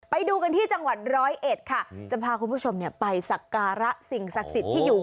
ไปดูกันที่จังหวัดร้อยเอ็ดค่ะจะพาคุณผู้ชมไปสักการะสิ่งศักดิ์สิทธิ์ที่อยู่